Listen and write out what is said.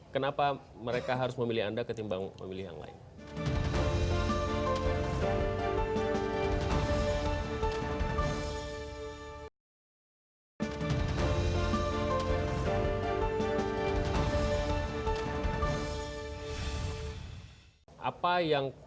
kenapa mereka harus memilih anda ketimbang memilih yang lain